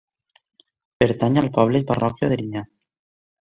Pertany al poble i parròquia d'Erinyà.